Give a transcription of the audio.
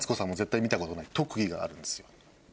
があるんですよ。